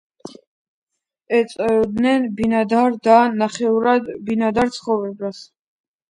ეწეოდნენ ბინადარ და ნახევრად ბინადარ ცხოვრებას.